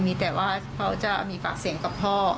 มีแต่ว่าเขาจะมีปากเสียงกับพ่อ